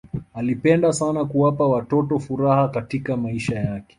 alipenda sana kuwapa watoto furaha katika maisha yake